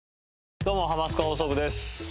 どうも『ハマスカ放送部』です。